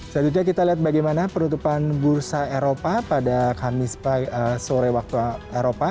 selanjutnya kita lihat bagaimana penutupan bursa eropa pada kamis sore waktu eropa